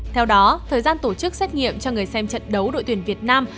theo đó thời gian tổ chức xét nghiệm cho người xem trận đấu đội tuyển việt nam